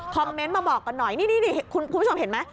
เมนต์มาบอกกันหน่อยนี่คุณผู้ชมเห็นไหม